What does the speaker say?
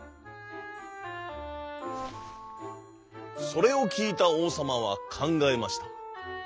それをきいたおうさまはかんがえました。